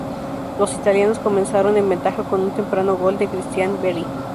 Los italianos comenzaron en ventaja con un temprano gol de Christian Vieri.